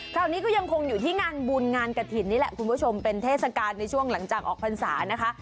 คราวนี้ก็ยังคงอยู่ที่งานบุญงานกระถิ่นนี่แหละคุณผู้ชมเป็นเทศกาลในช่วงหลังจากออกพรรษานะคะ